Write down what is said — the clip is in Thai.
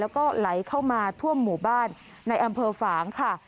แล้วก็ไหลเข้ามาท่วมหมู่บ้านในอำเภอฝางค่ะ